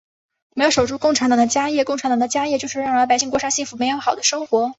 我们要守住共产党的家业，共产党的家业就是让老百姓过上幸福美好的生活。